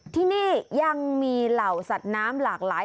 ที่นี่ยังมีเหล่าสัตว์น้ำหลากหลาย